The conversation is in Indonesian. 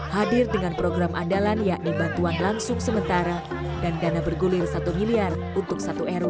hadir dengan program andalan yakni bantuan langsung sementara dan dana bergulir satu miliar untuk satu rw